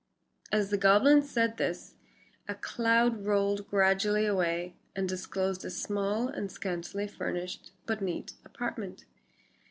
As the goblin said this a cloud rolled gradually away and disclosed a small and scantily furnished but neat apartment.